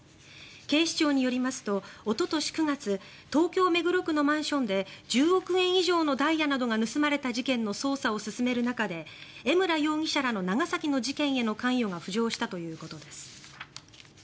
警視庁によりますとおととし９月東京・目黒区のマンションで１０億円以上のダイヤが盗まれた事件の捜査を進める中で榎村容疑者らの長崎の事件への関与が浮上したということです。